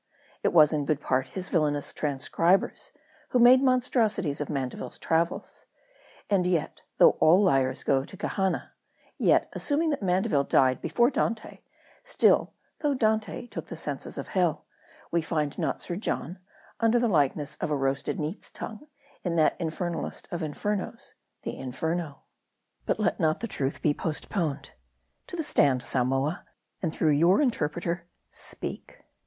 It was, in good part, his villainous transcrib ers, who made monstrosities of Mandeville's travels. And though all liars go to Gehenna ; yet, assuming that Mande ville died before Dante ; still, though Dante took the census of Hell, we find not Sir John, under the likeness of a roasted neat's tongue, in that infernalest of infernos, The Inferno. But let not the truth be postponed. To the stand, Samoa, and through your interpreter, speak.